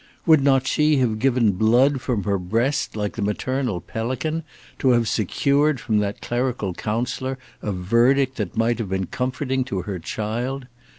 Would not she have given blood from her breast, like the maternal pelican, to have secured from that clerical counsellor a verdict that might have been comforting to her child?